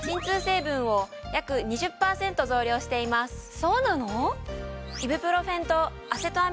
そうなの？